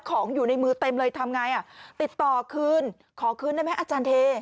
ของอยู่ในมือเต็มเลยทำไงอ่ะติดต่อคืนขอคืนได้ไหมอาจารย์เท